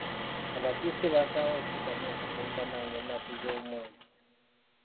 Abakiise baasalawo okuddamu okusisinkana ng’ennaku z’omwezi.